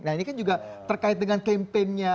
nah ini kan juga terkait dengan kempennya